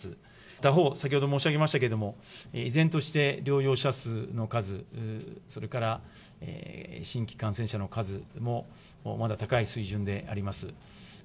他方、先ほど申し上げましたけれども、依然として、療養者数の数、それから新規感染者の数もまだ高い水準であります。